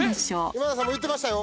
今田さんも言ってましたよ